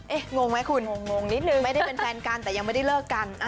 เอ๊ะงงไหมคุณไม่ได้เป็นแฟนกันแต่ยังไม่ได้เลิกกัน